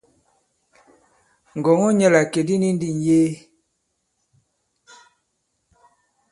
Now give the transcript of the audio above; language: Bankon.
Ngɔ̀ŋɔ nyɛ la ìkè di ni ndi ŋ̀yee.